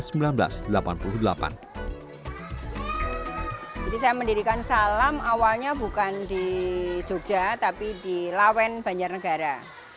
saya mendirikan salam awalnya bukan di jogja tapi di lawen banjarnegara